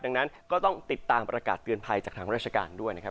ดังนั้นก็ต้องติดตามประกาศเตือนภัยจากทางราชการด้วยนะครับ